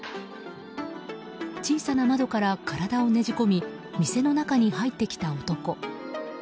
小さな窓から体をねじ込み店の中に入ってきた男。